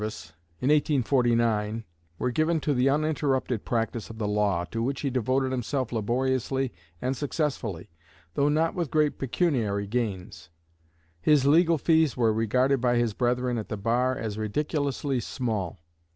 The ten years following the close of Lincoln's Congressional service, in 1849, were given to the uninterrupted practice of the law, to which he devoted himself laboriously and successfully, though not with great pecuniary gains. His legal fees were regarded by his brethren at the bar as "ridiculously small."